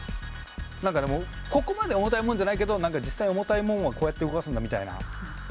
何かでもここまで重たいもんじゃないけど何か実際重たいもんはこうやって動かすんだみたいな。